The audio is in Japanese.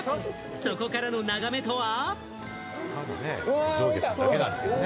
そこからの眺めとは？